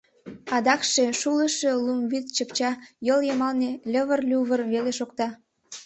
Адакше шулышо лум вӱд чыпча, йол йымалне льывыр-лювыр веле шокта.